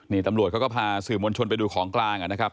นี่ตำรวจเขาก็พาสื่อมวลชนไปดูของกลางนะครับ